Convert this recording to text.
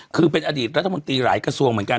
คือเป็นอดีตรัฐมนตรีหลายกระทรวงเหมือนกัน